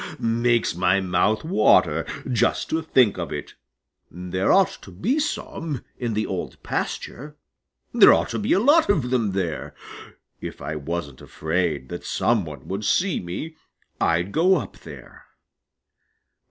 Makes my mouth water just to think of it. There ought to be some up in the Old Pasture. There ought to be a lot of 'em up there. If I wasn't afraid that some one would see me, I'd go up there."